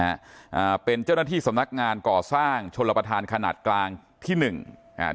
อ่าเป็นเจ้าหน้าที่สำนักงานก่อสร้างชนรับประทานขนาดกลางที่หนึ่งอ่า